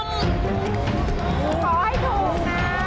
ขอให้ถูกนะ